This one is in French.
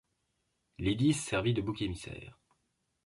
Lidice servit de bouc émissaire.